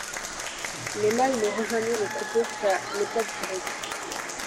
Les mâles ne rejoignaient le troupeau qu'à l'époque du rut.